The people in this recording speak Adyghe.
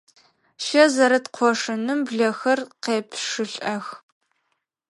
Щэ зэрыт къошыным блэхэр къепшылӀэх.